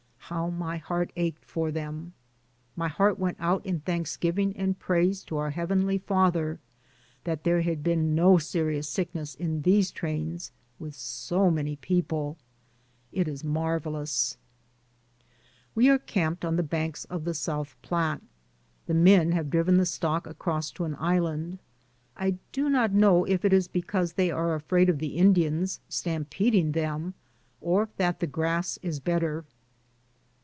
How my heart ached for them. My heart went out in thanksgiving and praise to our Heavenly DAYS ON THE ROAD. loi Father that there has been no serious sick ness in all these trains with so many people. It is marvelous. We are camped on the banks of the South Platte. The men have driven the stock across to an island. I do not know if it is because they are afraid of the Indians stam peding them, or that the grass is better.